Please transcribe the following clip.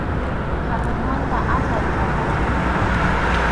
Hanaqmanta aswan karunchay.